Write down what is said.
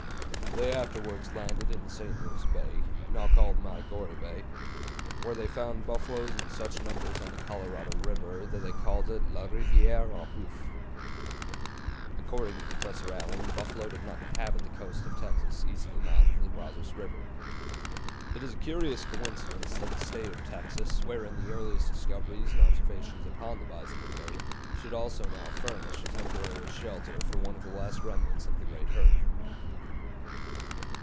They afterwards landed in St. Louis Bay (now called Matagorda Bay), where they found buffaloes in such numbers on the Colorado River that they called it La Rivière aux Boeufs. According to Professor Allen, the buffalo did not inhabit the coast of Texas east of the mouth of the Brazos River. [Note 15: The American Bisons, Living and Extinct, p. 132.] It is a curious coincidence that the State of Texas, wherein the earliest discoveries and observations upon the bison were made, should also now furnish a temporary shelter for one of the last remnants of the great herd.